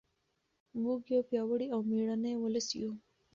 موږ یو پیاوړی او مېړنی ولس یو.